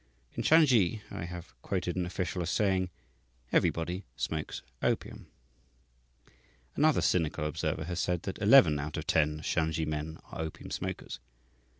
"In Shansi," I have quoted an official as saying, "everybody smokes opium." Another cynical observer has said that "eleven out of ten Shansi men are opium smokers."